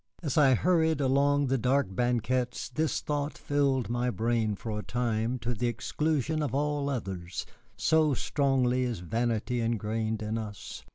As I hurried along the dark banquettes this thought filled my brain for a time to the exclusion of all others, so strongly is vanity ingrained in us.